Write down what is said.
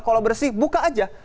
kalau bersih buka aja